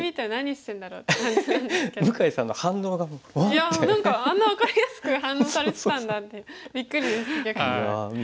いや何かあんな分かりやすく反応されてたんだってビックリです逆に。